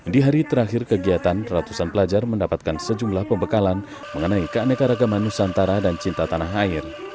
di hari terakhir kegiatan ratusan pelajar mendapatkan sejumlah pembekalan mengenai keanekaragaman nusantara dan cinta tanah air